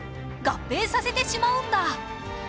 合併させてしまうんだ